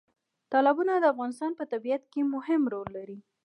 تالابونه د افغانستان په طبیعت کې مهم رول لري.